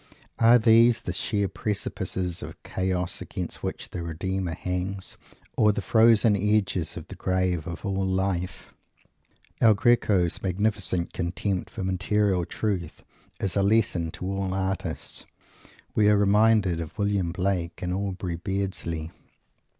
Are these the sheer precipices of Chaos, against which the Redeemer hangs, or the frozen edges of the grave of all life? El Greco's magnificent contempt for material truth is a lesson to all artists. We are reminded of William Blake and Aubrey Beardsley.